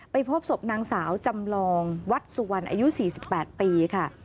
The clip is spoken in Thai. พบศพนางสาวจำลองวัดสุวรรณอายุ๔๘ปีค่ะ